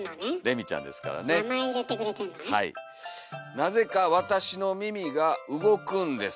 「なぜかわたしの耳が動くんです」。